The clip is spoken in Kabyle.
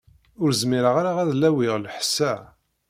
Ur zmireɣ ara ad lawiɣ lḥess-a.